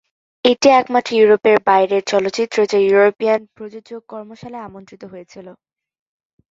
এটি একমাত্র ইউরোপের বাইরের চলচ্চিত্র যা ইউরোপিয়ান প্রযোজক কর্মশালায় আমন্ত্রিত হয়েছিলো।